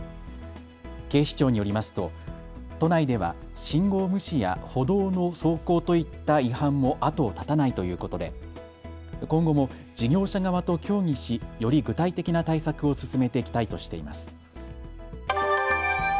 警視庁によりますと都内では信号無視や歩道の走行といった違反も後を絶たないということで今後も事業者側と協議しより具体的な対策を進めていきたいとしています。